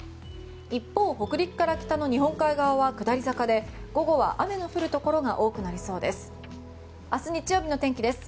一方、北陸から北の日本海側は下り坂で午後は雨の降るところが多くなりそうです。